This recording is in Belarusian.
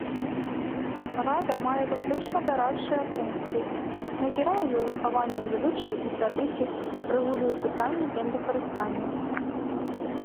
Рада мае выключна дарадчыя функцыі, назірае за захаваннем звычаяў і традыцый, рэгулюе пытанні землекарыстання.